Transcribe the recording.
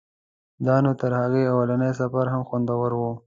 دا نو تر هغه اولني سفر هم خوندور و.